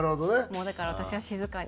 もうだから私は静かに。